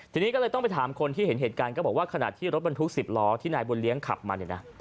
ทีนี้ก็เลยต้องไปถามคนที่เห็นเหตุการณ์ก็บอกว่าขณะที่รถบรรทุก๑๐ล้อที่นายบุญเลี้ยงขับมาเนี่ยนะ